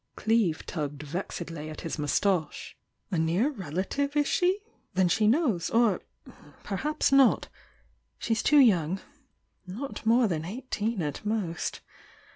Cleeve tugged vexedly at his :;.oustache. "A 'near relative,' is she? Then she knows! Or — perhaps not! She's too young — not more than eighteen at most.